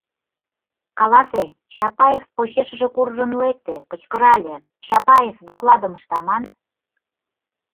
— Каласе, — Чапаев почешыже куржын лекте, кычкырале, — Чапаев докладым ышта ман: